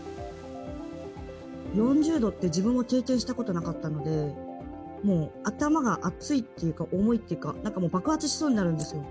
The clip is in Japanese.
４０度って、自分は経験したことなかったので、もう頭が熱いっていうか、重いっていうか、なんかもう爆発しそうになるんですよ。